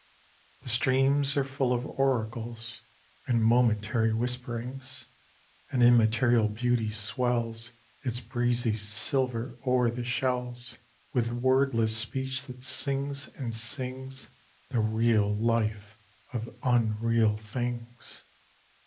The streams are full of oracles, And momentary whisperings; An immaterial beauty swells Its breezy silver o'er the shells With wordless speech that sings and sings The real life of unreal things.